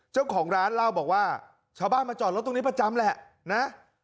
เจ้าของร้านเล่าบอกว่าชาวบ้านมาจอดรถตรงนี้ประจำแหละนะ